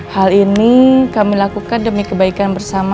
hal ini kami lakukan demi kebaikan bersama